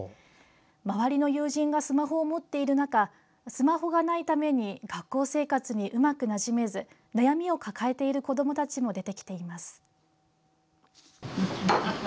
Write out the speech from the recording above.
周りの友人がスマホを持っている中スマホがないために学校生活にうまくなじめず悩みを抱えている子どもたちも出てきています。